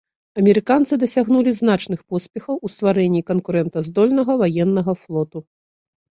Амерыканцы дасягнулі значных поспехаў у стварэнні канкурэнтназдольнага ваеннага флоту.